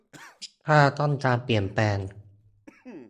ถ้าต้องการเปลี่ยนแปลง